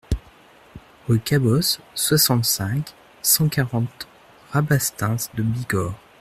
Rue Cabos, soixante-cinq, cent quarante Rabastens-de-Bigorre